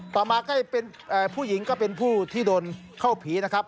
ต่อมาก็เป็นผู้หญิงก็เป็นผู้ที่โดนเข้าผีนะครับ